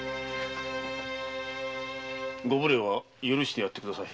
ご無礼は許してやってください。